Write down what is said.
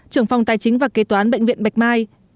trưởng phòng tài chính và kế toán bệnh viện bạch mai